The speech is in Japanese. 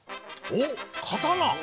おっ刀！